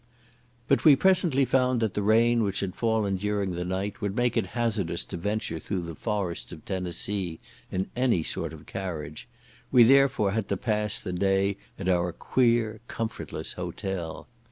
But we presently found that the rain which had fallen during the night would make it hazardous to venture through the forests of Tennessee in any sort of carriage; we therefore had to pass the day at our queer comfortless hotel.